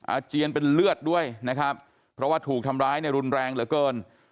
อาเจียนเป็นเลือดด้วยนะครับเพราะว่าถูกทำร้ายเนี่ยรุนแรงเหลือเกิน